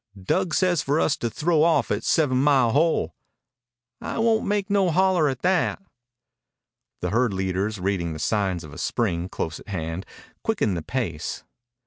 "Dug says for us to throw off at Seven Mile Hole." "I won't make no holler at that." The herd leaders, reading the signs of a spring close at hand, quickened the pace.